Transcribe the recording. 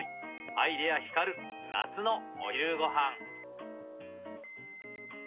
アイデア光る夏のお昼ごはん。